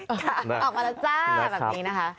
ออกมาแล้วจ้าแบบนี้นะคะ